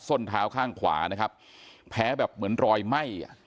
้นเท้าข้างขวานะครับแพ้แบบเหมือนรอยไหม้อ่ะ